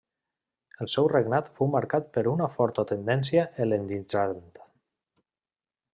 El seu regnat fou marcat per una forta tendència hel·lenitzant.